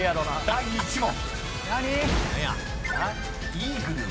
［第１問］